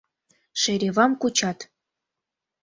Шеревам кучат.